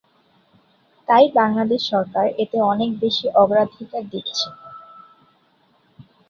তাই বাংলাদেশ সরকার এতে অনেক বেশি অগ্রাধিকার দিচ্ছে।